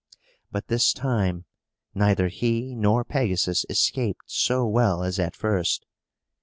But this time, neither he nor Pegasus escaped so well as at first.